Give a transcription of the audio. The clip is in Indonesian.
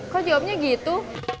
kok jawabnya gitu